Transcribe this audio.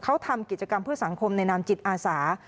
เขาทำกิจกรรมเพื่อสังคมในนามจิตอาสา